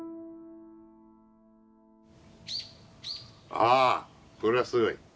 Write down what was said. ああこれはすごい。